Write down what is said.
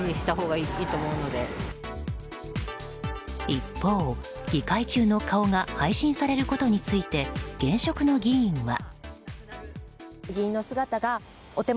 一方、議会中の顔が配信されることについて現職の議員は。